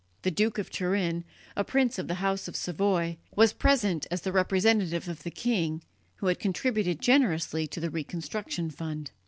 The Duke of Turin, a prince of the house of Savoy, was present as the representative of the king, who had contributed generously to the reconstruction fund.